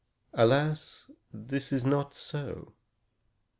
Alas! this is not so.